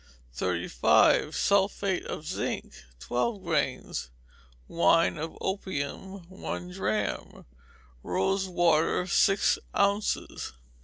35. Sulphate of zinc, twelve grains; wine of opium, one drachm; rose water, six ounces.